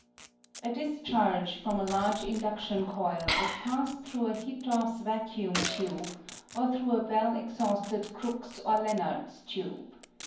A discharge from a large induction coil is passed through a Hittorfs vacuum tube, or through a well exhausted Crookes' or Lenard's tube.